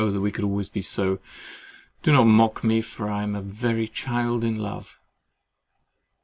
that we could be always so—Do not mock me, for I am a very child in love.